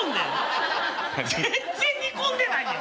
全然煮込んでないよ。